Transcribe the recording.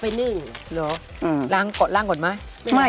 เมื่อล้างก่อนไหม